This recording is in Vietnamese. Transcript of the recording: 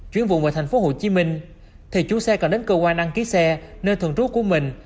chuyển vụn vào tp hcm thì chú xe còn đến cơ quan đăng ký xe nơi thường trú của mình